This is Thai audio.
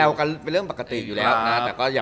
กันเป็นเรื่องปกติอยู่แล้วนะ